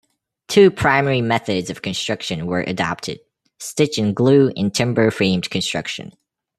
Two primary methods of construction were adopted: stitch and glue and timber framed construction.